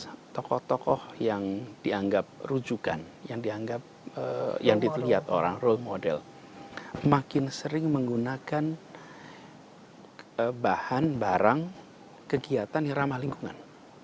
sehingga tokoh tokoh yang dianggap rujukan yang dianggap yang dilihat orang role model makin sering menggunakan bahan barang kegiatan yang ramah lingkungan